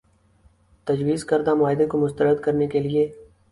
تجویزکردہ معاہدے کو مسترد کرنے کے لیے